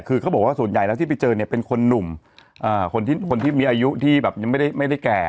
คือเขาบอกว่าส่วนใหญ่แล้วที่ไปเจอเนี่ยเป็นคนหนุ่มคนที่มีอายุที่แบบยังไม่ได้แก่